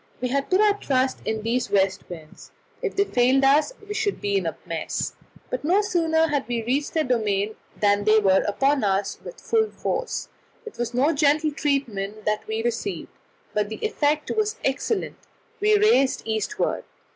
We had put our trust in these west winds; if they failed us we should be in a mess. But no sooner had we reached their domain than they were upon us with full force; it was no gentle treatment that we received, but the effect was excellent we raced to the eastward.